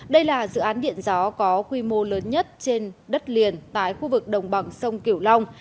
đây là dự án điện gió có quy mô lớn nhất trên đất liền tại khu vực đồng bằng sông kiểu long